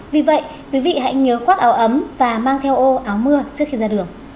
vì vậy quý vị hãy nhớ khoác áo ấm và mang theo ô áo mưa trước khi ra đường